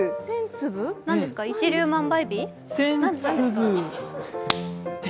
なんですか、一粒万倍日？